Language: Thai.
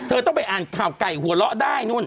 เธอต้องไปอ่านข่าวไก่หัวเราะได้นู่น